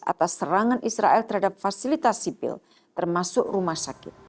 atas serangan israel terhadap fasilitas sipil termasuk rumah sakit